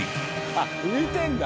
あっ浮いてるんだ。